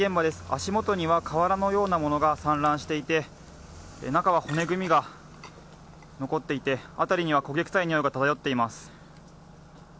足元には瓦のようなものが散乱していて中は骨組みが残っていて辺りには焦げ臭いにおいが漂っています。